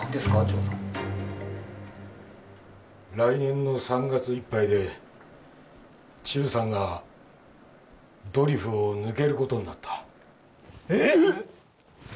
長さん来年の３月いっぱいで注さんがドリフを抜けることになったええっ！？